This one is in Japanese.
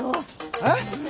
えっ？